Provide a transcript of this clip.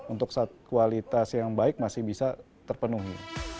untuk kualitas yang baik masih bisa terpenuhi